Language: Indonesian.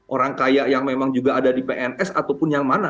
orang kaya yang memang juga ada di pns ataupun yang mana